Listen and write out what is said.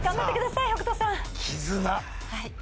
絆。